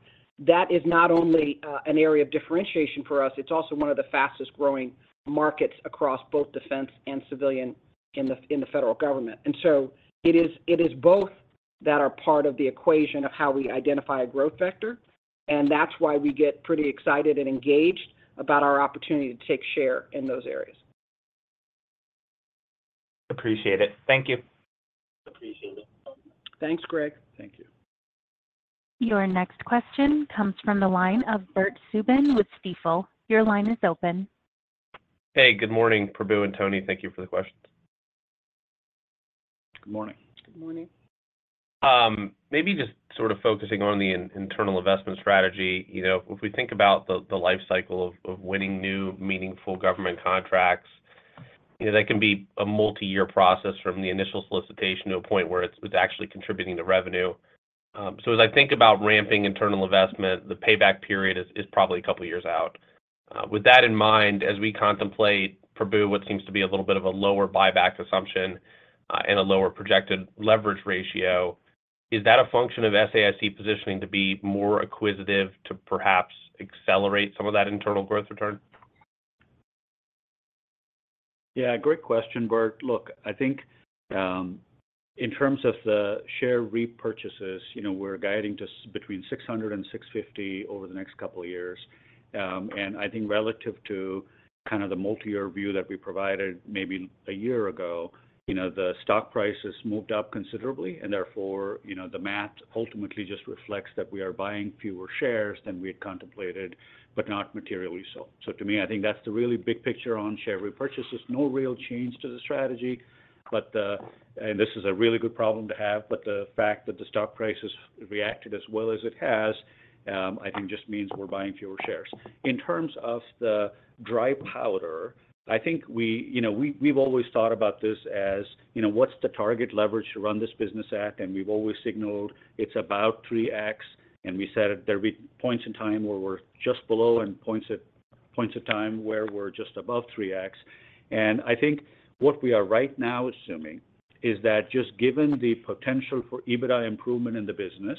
that is not only an area of differentiation for us, it's also one of the fastest-growing markets across both defense and civilian in the federal government. And so it is both that are part of the equation of how we identify a growth vector, and that's why we get pretty excited and engaged about our opportunity to take share in those areas. Appreciate it. Thank you. Appreciate it. Thanks, Greg. Thank you. Your next question comes from the line of Bert Subin with Stifel. Your line is open. Hey, good morning, Prabu and Toni. Thank you for the questions. Good morning. Good morning. Maybe just sort of focusing on the internal investment strategy. You know, if we think about the life cycle of winning new meaningful government contracts, you know, that can be a multi-year process from the initial solicitation to a point where it's actually contributing to revenue. So as I think about ramping internal investment, the payback period is probably a couple of years out. With that in mind, as we contemplate, Prabu, what seems to be a little bit of a lower buyback assumption and a lower projected leverage ratio, is that a function of SAIC positioning to be more acquisitive, to perhaps accelerate some of that internal growth return? Yeah, great question, Bert. Look, I think, in terms of the share repurchases, you know, we're guiding just between $600 and $650 over the next couple of years. And I think relative to kind of the multiyear view that we provided maybe a year ago, you know, the stock price has moved up considerably, and therefore, you know, the math ultimately just reflects that we are buying fewer shares than we had contemplated, but not materially so. So to me, I think that's the really big picture on share repurchases. No real change to the strategy, but the... This is a really good problem to have, but the fact that the stock price has reacted as well as it has, I think just means we're buying fewer shares. In terms of the dry powder, I think we, you know, we, we've always thought about this as, you know, what's the target leverage to run this business at? And we've always signaled it's about 3x, and we said that there'll be points in time where we're just below and points at- points of time where we're just above 3x. And I think what we are right now assuming is that just given the potential for EBITDA improvement in the business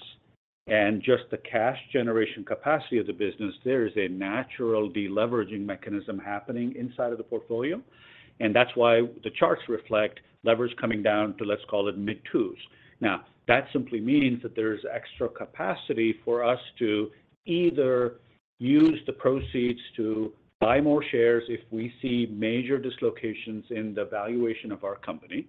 and just the cash generation capacity of the business, there is a natural deleveraging mechanism happening inside of the portfolio, and that's why the charts reflect leverage coming down to, let's call it, mid-twos.... Now, that simply means that there's extra capacity for us to either use the proceeds to buy more shares if we see major dislocations in the valuation of our company,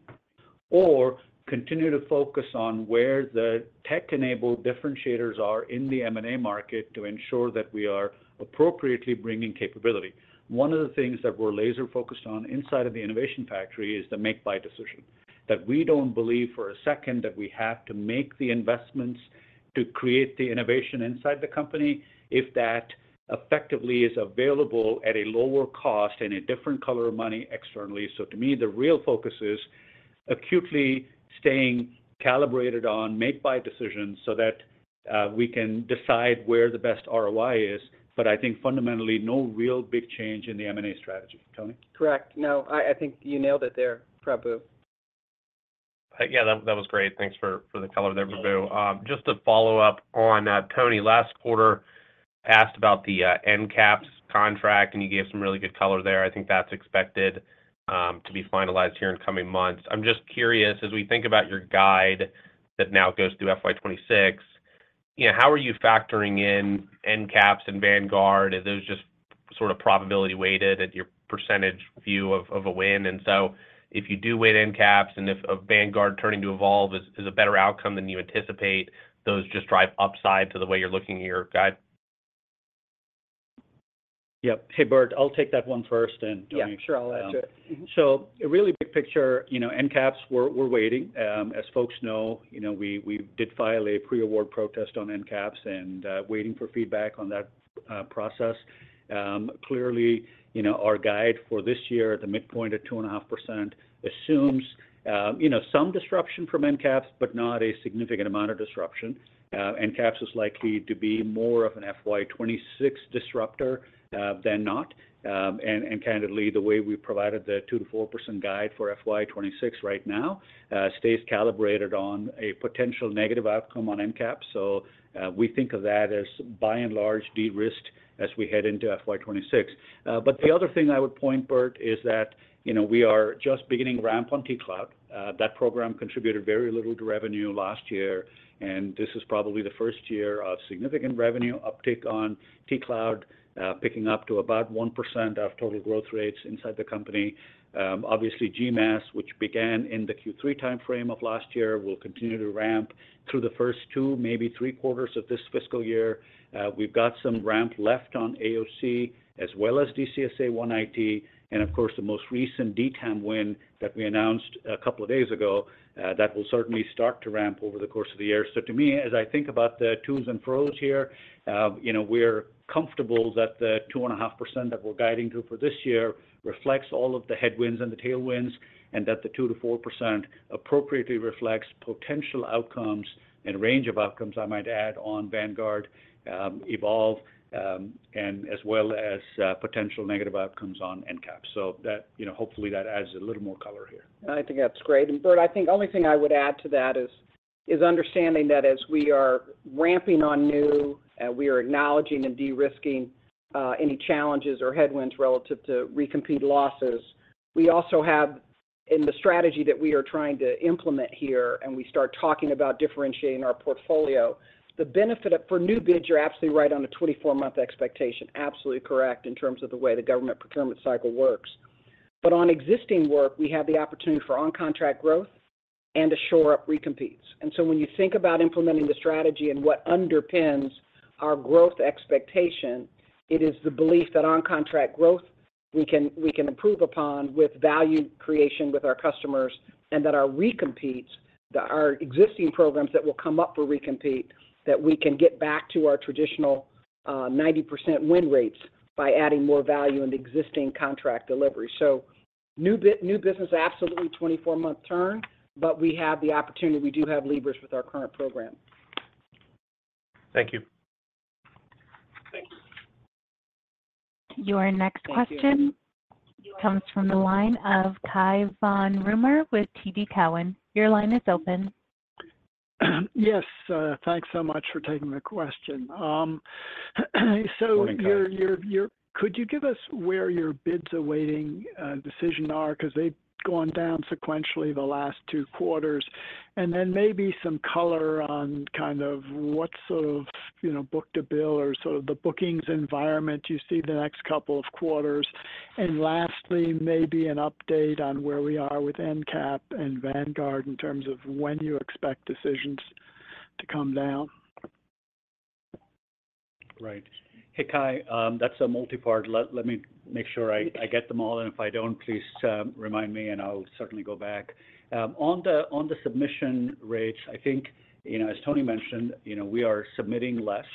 or continue to focus on where the tech-enabled differentiators are in the M&A market to ensure that we are appropriately bringing capability. One of the things that we're laser-focused on inside of the Innovation Factory is the make-buy decision, that we don't believe for a second that we have to make the investments to create the innovation inside the company if that effectively is available at a lower cost and a different color of money externally. So to me, the real focus is acutely staying calibrated on make-buy decisions so that we can decide where the best ROI is. But I think fundamentally, no real big change in the M&A strategy. Toni? Correct. No, I think you nailed it there, Prabu. Yeah, that was great. Thanks for the color there, Prabu. Just to follow up on that, Toni, last quarter asked about the NCAPS contract, and you gave some really good color there. I think that's expected to be finalized here in coming months. I'm just curious, as we think about your guide that now goes through FY 2026, you know, how are you factoring in NCAPS and Vanguard? Are those just sort of probability weighted at your percentage view of a win? And so if you do weigh NCAPS and if of Vanguard turning to Evolve is a better outcome than you anticipate, those just drive upside to the way you're looking at your guide? Yep. Hey, Bert, I'll take that one first, and Toni- Yeah, sure, I'll add to it. Mm-hmm. So really big picture, you know, NCAPS, we're waiting. As folks know, you know, we did file a pre-award protest on NCAPS and waiting for feedback on that process. Clearly, you know, our guide for this year at the midpoint at 2.5% assumes, you know, some disruption from NCAPS, but not a significant amount of disruption. NCAPS is likely to be more of an FY 2026 disruptor than not. And candidly, the way we provided the 2%-4% guide for FY 2026 right now stays calibrated on a potential negative outcome on NCAPS. So we think of that as by and large de-risked as we head into FY 2026. But the other thing I would point, Bert, is that, you know, we are just beginning ramp on T-Cloud. That program contributed very little to revenue last year, and this is probably the first year of significant revenue uptick on T-Cloud, picking up to about 1% of total growth rates inside the company. Obviously, GMASS, which began in the Q3 timeframe of last year, will continue to ramp through the first two, maybe three quarters of this fiscal year. We've got some ramp left on AOC as well as DCSA One IT, and of course, the most recent DTAMM win that we announced a couple of days ago, that will certainly start to ramp over the course of the year. So to me, as I think about the pros and cons here, you know, we're comfortable that the 2.5% that we're guiding to for this year reflects all of the headwinds and the tailwinds, and that the 2%-4% appropriately reflects potential outcomes and range of outcomes, I might add, on Vanguard, Evolve, and as well as potential negative outcomes on NCAPS. So, you know, hopefully, that adds a little more color here. I think that's great. And Bert, I think the only thing I would add to that is, is understanding that as we are ramping on new, we are acknowledging and de-risking, any challenges or headwinds relative to recompete losses. We also have in the strategy that we are trying to implement here, and we start talking about differentiating our portfolio, the benefit of- for new bids, you're absolutely right on the 24-month expectation. Absolutely correct in terms of the way the government procurement cycle works. But on existing work, we have the opportunity for on-contract growth and to shore up recompetes. So when you think about implementing the strategy and what underpins our growth expectation, it is the belief that on-contract growth we can improve upon with value creation with our customers, and that our recompetes, that our existing programs that will come up for recompete, that we can get back to our traditional 90% win rates by adding more value in the existing contract delivery. So new business, absolutely 24-month turn, but we have the opportunity. We do have levers with our current program. Thank you. Thank you.- Thank you Your next question comes from the line of Cai von Rumohr with TD Cowen. Your line is open. Yes, thanks so much for taking the question. So your- Good morning, Cai.... could you give us where your bids awaiting decision are? Because they've gone down sequentially the last two quarters. And then maybe some color on kind of what sort of, you know, book-to-bill or sort of the bookings environment you see the next couple of quarters. And lastly, maybe an update on where we are with NCAPS and Vanguard in terms of when you expect decisions to come down. Right. Hey, Cai, that's a multipart. Let me make sure I- Yeah... I get them all, and if I don't, please, remind me, and I'll certainly go back. On the, on the submission rates, I think, you know, as Toni mentioned, you know, we are submitting less,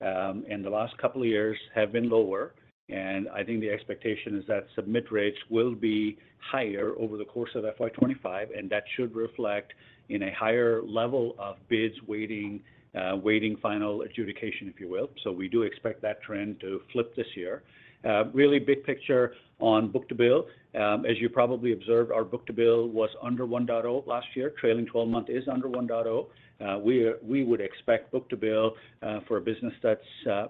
and the last couple of years have been lower, and I think the expectation is that submit rates will be higher over the course of FY 2025, and that should reflect in a higher level of bids waiting, waiting, final adjudication, if you will. So we do expect that trend to flip this year. Really big picture on book-to-bill. As you probably observed, our book-to-bill was under 1.0 last year. Trailing twelve-month is under 1.0. We are- we would expect book-to-bill, for a business that's,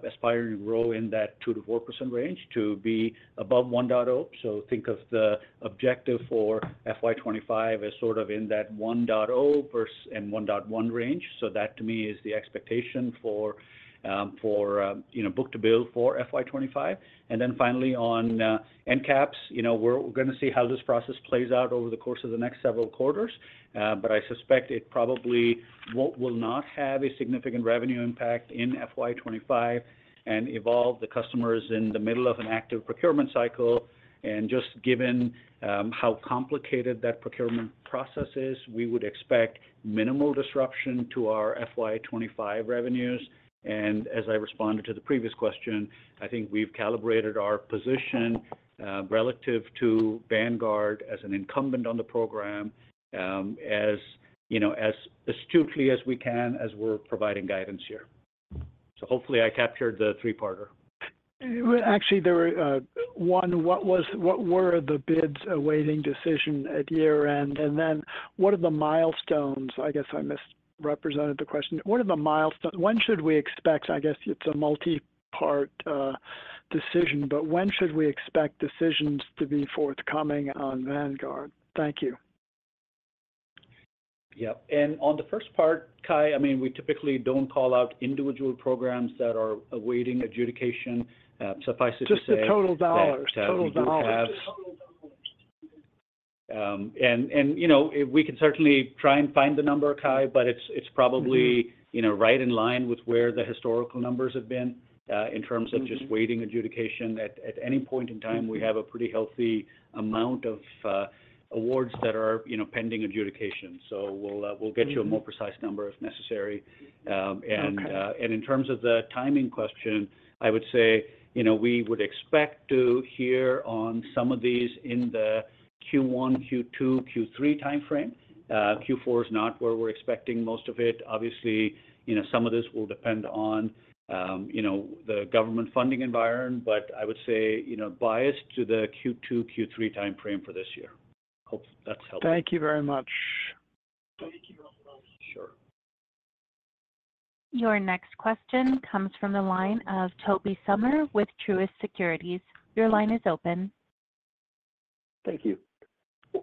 aspiring to grow in that 2%-4% range, to be above 1.0. So think of the objective for FY 2025 as sort of in that 1.0-1.1 range. So that to me is the expectation for, you know, book-to-bill for FY 2025. And then finally, on NCAPS, you know, we're gonna see how this process plays out over the course of the next several quarters, but I suspect it probably will not have a significant revenue impact in FY 2025, and Evolve, the customer is in the middle of an active procurement cycle. And just given how complicated that procurement process is, we would expect minimal disruption to our FY 2025 revenues. And as I responded to the previous question, I think we've calibrated our position relative to Vanguard as an incumbent on the program, you know, as astutely as we can, as we're providing guidance here. Hopefully, I captured the three-parter. Well, actually, there were one, what was—what were the bids awaiting decision at year-end? And then what are the milestones? I guess I misrepresented the question. What are the milestones—when should we expect? I guess it's a multi-part decision, but when should we expect decisions to be forthcoming on Vanguard? Thank you. Yep. And on the first part, Cai, I mean, we typically don't call out individual programs that are awaiting adjudication. Suffice it to say- Just the total dollars. We do have- Total dollars. You know, we can certainly try and find the number, Cai, but it's probably- Mm-hmm... you know, right in line with where the historical numbers have been, in terms of- Mm-hmm -just waiting adjudication. At any point in time, we have a pretty healthy amount of awards that are, you know, pending adjudication. So we'll, we'll get- Mm-hmm -you a more precise number if necessary. Okay... and in terms of the timing question, I would say, you know, we would expect to hear on some of these in the Q1, Q2, Q3 timeframe. Q4 is not where we're expecting most of it. Obviously, you know, some of this will depend on, you know, the government funding environment, but I would say, you know, biased to the Q2, Q3 timeframe for this year. Hope that's helpful. Thank you very much. Sure. Your next question comes from the line of Tobey Sommer with Truist Securities. Your line is open. Thank you.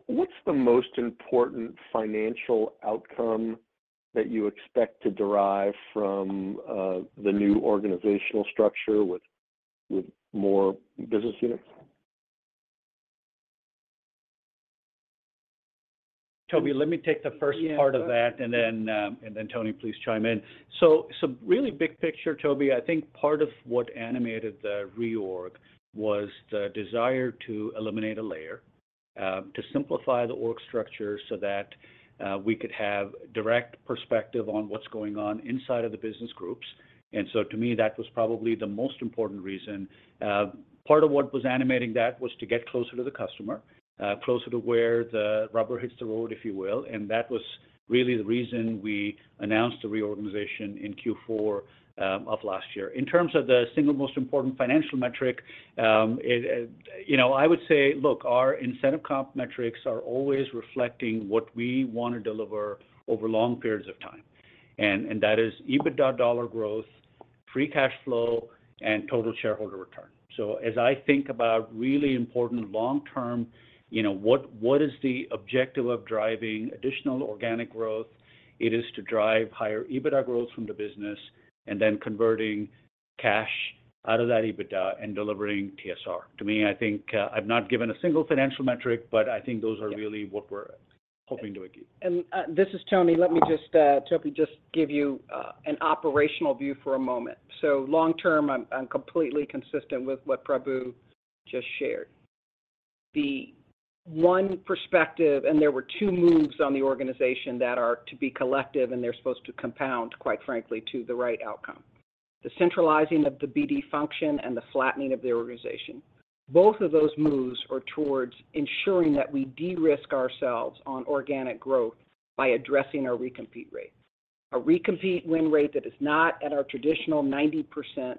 What's the most important financial outcome that you expect to derive from the new organizational structure with more business units? Tobey, let me take the first part of that- Yeah... and then, Toni, please chime in. So really big picture, Tobey, I think part of what animated the reorg was the desire to eliminate a layer, to simplify the org structure so that we could have direct perspective on what's going on inside of the business groups. And so to me, that was probably the most important reason. Part of what was animating that was to get closer to the customer, closer to where the rubber hits the road, if you will, and that was really the reason we announced the reorganization in Q4 of last year. In terms of the single most important financial metric, you know, I would say, look, our incentive comp metrics are always reflecting what we want to deliver over long periods of time, and that is EBITDA dollar growth, free cash flow, and total shareholder return. So as I think about really important long-term, you know, what is the objective of driving additional organic growth? It is to drive higher EBITDA growth from the business and then converting cash out of that EBITDA and delivering TSR. To me, I think, I've not given a single financial metric, but I think those are really what we're hoping to achieve. And, this is Toni. Let me just, Tobey, just give you, an operational view for a moment. So long term, I'm, I'm completely consistent with what Prabu just shared. The one perspective, and there were two moves on the organization that are to be collective, and they're supposed to compound, quite frankly, to the right outcome. The centralizing of the BD function and the flattening of the organization. Both of those moves are towards ensuring that we de-risk ourselves on organic growth by addressing our recompete rate. A recompete win rate that is not at our traditional 90%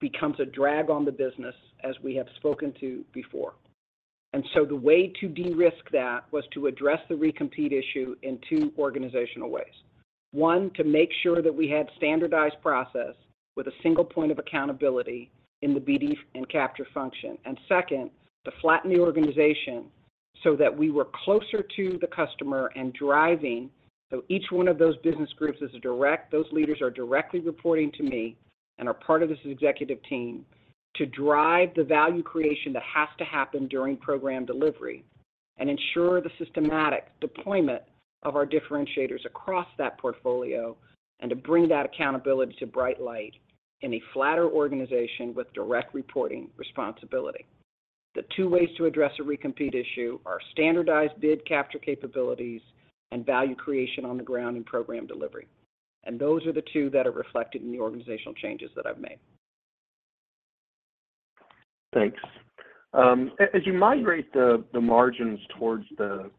becomes a drag on the business, as we have spoken to before. And so the way to de-risk that was to address the recompete issue in two organizational ways. One, to make sure that we had a standardized process with a single point of accountability in the BD and capture function. And second, to flatten the organization so that we were closer to the customer and driving, so each one of those business groups, those leaders are directly reporting to me and are part of this executive team, to drive the value creation that has to happen during program delivery, and ensure the systematic deployment of our differentiators across that portfolio, and to bring that accountability to light in a flatter organization with direct reporting responsibility. The two ways to address a recompete issue are standardized bid capture capabilities and value creation on the ground and program delivery, and those are the two that are reflected in the organizational changes that I've made. Thanks. As you migrate the margins toward the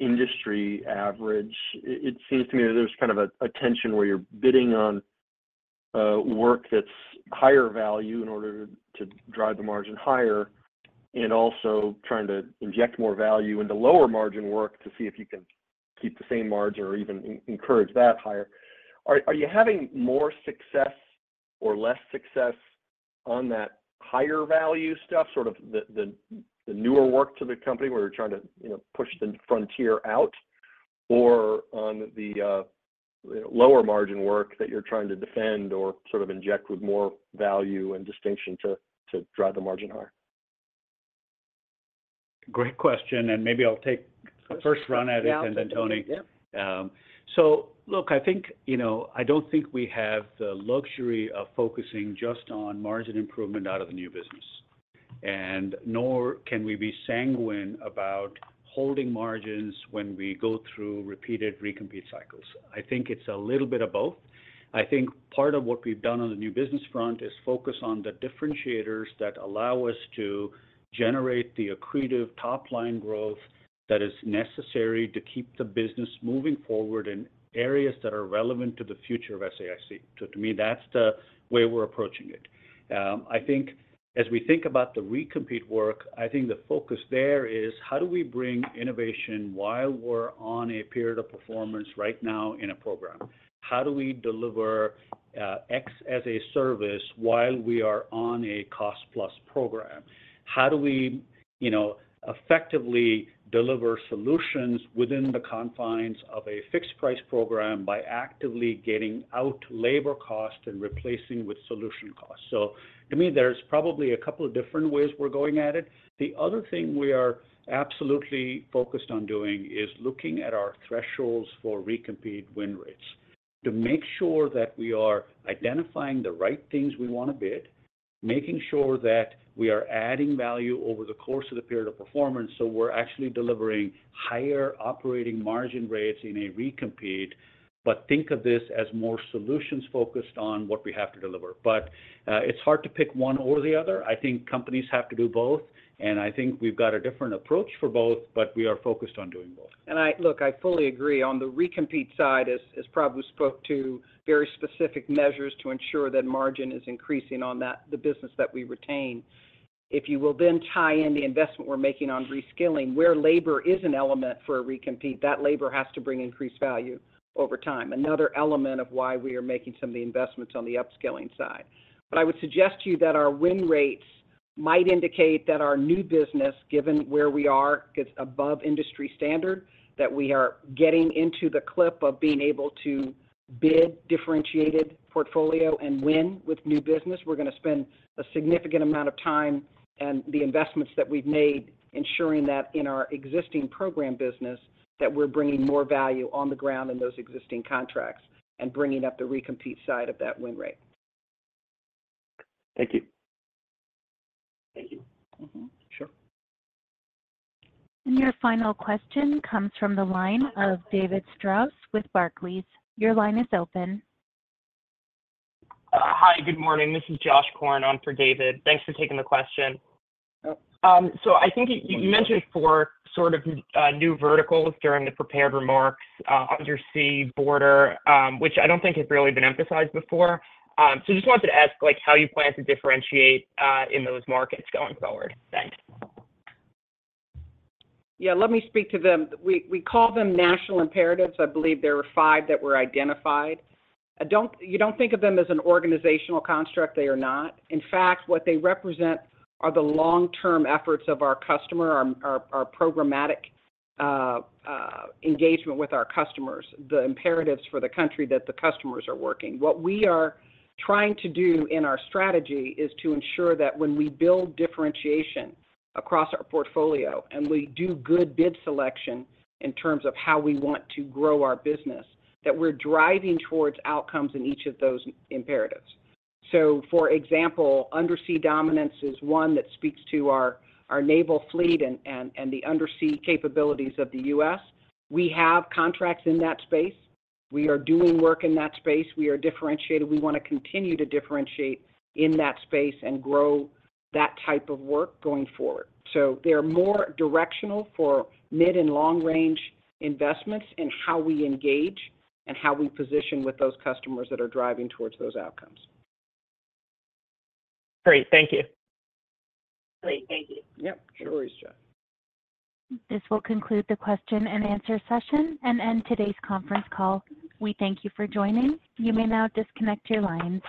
industry average, it seems to me that there's kind of a tension where you're bidding on work that's higher value in order to drive the margin higher, and also trying to inject more value into lower margin work to see if you can keep the same margin or even encourage that higher. Are you having more success or less success on that higher value stuff, sort of the newer work to the company, where you're trying to, you know, push the frontier out, or on the, you know, lower margin work that you're trying to defend or sort of inject with more value and distinction to drive the margin higher? Great question, and maybe I'll take a first run at it- Yeah. and then Toni. Yeah. So look, I think, you know, I don't think we have the luxury of focusing just on margin improvement out of the new business, and nor can we be sanguine about holding margins when we go through repeated recompete cycles. I think it's a little bit of both. I think part of what we've done on the new business front is focus on the differentiators that allow us to generate the accretive top-line growth that is necessary to keep the business moving forward in areas that are relevant to the future of SAIC. So to me, that's the way we're approaching it. I think as we think about the recompete work, I think the focus there is, how do we bring innovation while we're on a period of performance right now in a program? How do we deliver, X-as-a-Service while we are on a cost-plus program? How do we, you know, effectively deliver solutions within the confines of a fixed-price program by actively getting out labor cost and replacing with solution costs? So to me, there's probably a couple of different ways we're going at it. The other thing we are absolutely focused on doing is looking at our thresholds for recompete win rates to make sure that we are identifying the right things we wanna bid, making sure that we are adding value over the course of the period of performance, so we're actually delivering higher operating margin rates in a recompete, but think of this as more solutions-focused on what we have to deliver. But, it's hard to pick one or the other. I think companies have to do both, and I think we've got a different approach for both, but we are focused on doing both. And I look, I fully agree. On the recompete side, as Prabu spoke to, very specific measures to ensure that margin is increasing on that, the business that we retain. If you will then tie in the investment we're making on reskilling, where labor is an element for a recompete, that labor has to bring increased value over time, another element of why we are making some of the investments on the upskilling side. But I would suggest to you that our win rates might indicate that our new business, given where we are, is above industry standard, that we are getting into the clip of being able to bid differentiated portfolio and win with new business. We're gonna spend a significant amount of time and the investments that we've made ensuring that in our existing program business, that we're bringing more value on the ground in those existing contracts and bringing up the recompete side of that win rate. Thank you. Thank you. Mm-hmm. Sure. Your final question comes from the line of David Strauss with Barclays. Your line is open. Hi, good morning. This is Josh Corn on for David. Thanks for taking the question. Yep. So I think you, you mentioned four sort of new verticals during the prepared remarks, undersea border, which I don't think has really been emphasized before. So just wanted to ask, like, how you plan to differentiate in those markets going forward? Thanks. Yeah, let me speak to them. We call them national imperatives. I believe there were five that were identified. I don't—you don't think of them as an organizational construct, they are not. In fact, what they represent are the long-term efforts of our customer, our programmatic engagement with our customers, the imperatives for the country that the customers are working. What we are trying to do in our strategy is to ensure that when we build differentiation across our portfolio and we do good bid selection in terms of how we want to grow our business, that we're driving towards outcomes in each of those imperatives. So for example, Undersea Dominance is one that speaks to our naval fleet and the undersea capabilities of the U.S. We have contracts in that space. We are doing work in that space. We are differentiated. We wanna continue to differentiate in that space and grow that type of work going forward. They're more directional for mid and long-range investments in how we engage and how we position with those customers that are driving towards those outcomes. Great. Thank you. Great. Thank you. Yep. Sure is, Josh. This will conclude the question and answer session and end today's conference call. We thank you for joining. You may now disconnect your lines.